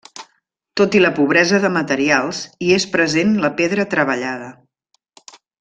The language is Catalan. Tot i la pobresa de materials hi és present la pedra treballada.